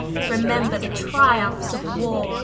Remember the triumphs of war!